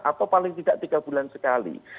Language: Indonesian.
atau paling tidak tiga bulan sekali